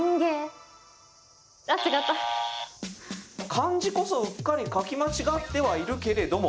漢字こそうっかり書き間違ってはいるけれども。